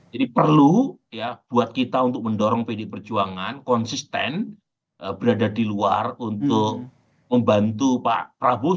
jadi perlu ya buat kita untuk mendorong pd perjuangan konsisten berada di luar untuk membantu pak prabowo